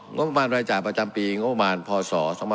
งบประมาณรายจ่ายประจำปีงบประมาณพศ๒๕๖